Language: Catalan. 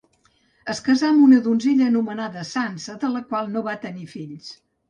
Es casà amb una donzella anomenada Sança, de la qual no va tenir fills.